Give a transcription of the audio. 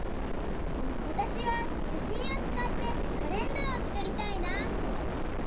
わたしはしゃしんをつかってカレンダーをつくりたいな！